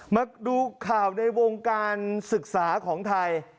มาดูข่าวในวงการศึกษาของไทย